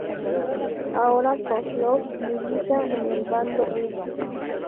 Ahora Koslov milita en el bando rudo.